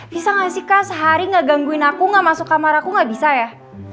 bisa gak sih kak sehari nggak gangguin aku gak masuk kamar aku gak bisa ya